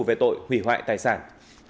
về tội hủy hoại tài sản